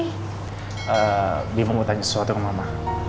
eee bingung mau tanya sesuatu ke mama